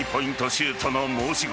シュートの申し子